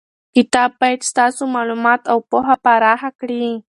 کتاب باید ستاسو معلومات او پوهه پراخه کړي.